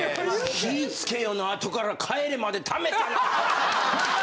気ぃつけよの後から帰れまで溜めたな。